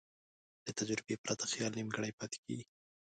له تجربې پرته خیال نیمګړی پاتې کېږي.